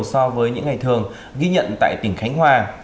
so với những ngày thường ghi nhận tại tỉnh khánh hòa